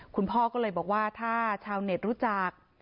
คุณพ่อก็เลยบอกว่าถ้าชาวเน็ตรู้จัก